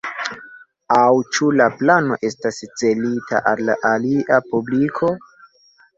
Aŭ ĉu la plano estas celita al alia publiko?